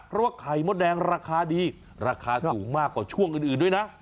เพราะว่าไข่มดแดงราคาดีราคาสูงมากกว่าช่วงอื่นด้วยนะ